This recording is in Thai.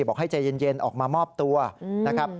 บอกให้ใจเย็นออกมามอบตัวนะครับ